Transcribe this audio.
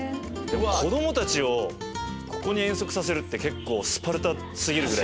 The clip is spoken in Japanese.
子供たちをここに遠足させるって結構スパルタ過ぎるぐらい。